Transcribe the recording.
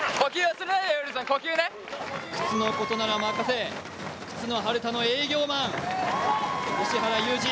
靴のことならお任せ、靴のハルタの営業マン、漆原裕治。